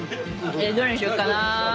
どれにしようかな？